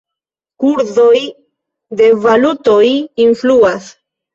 Kurzoj de valutoj influas.